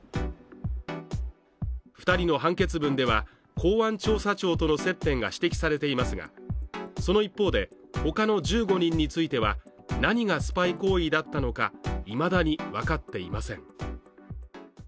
２人の判決文では、公安調査庁との接点が指摘されていますが、その一方で、他の１５人については、何がスパイ行為だったのか未だにわかっていません。